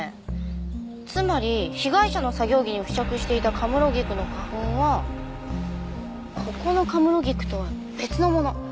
つまり被害者の作業着に付着していた神室菊の花粉はここの神室菊とは別のもの。